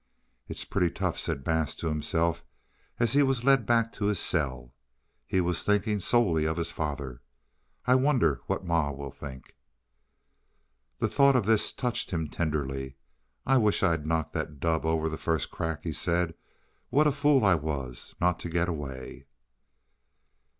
"It's pretty tough," said Bass to himself as he was led back to his cell. He was thinking solely of his father. "I wonder what ma will think." The thought of this touched him tenderly. "I wish I'd knocked the dub over the first crack," he said. "What a fool I was not to get away."